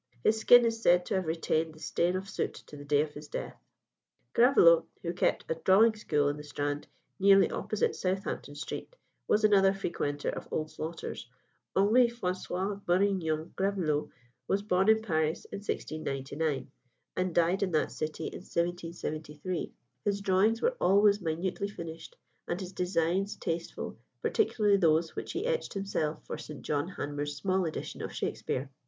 His skin is said to have retained the stain of soot to the day of his death. Gravelot, who kept a drawing school in the Strand, nearly opposite Southampton Street, was another frequenter of Old Slaughter's. Henri François Bourignon Gravelot was born in Paris in 1699, and died in that city in 1773. His drawings were always minutely finished, and his designs tasteful, particularly those which he etched himself for Sir John Hanmer's small edition of Shakspere.